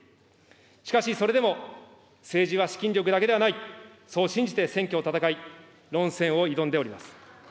しかしそれでも、政治は資金力だけではない、そう信じて選挙を戦い、論戦を挑んでおります。